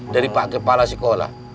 dari pak kepala sekolah